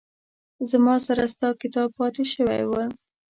زما سره ستا کتاب پاتې شوي وه